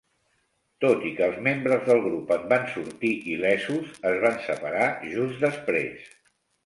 Tot i que els membres del grup en van sortir il·lesos, es van separar just després.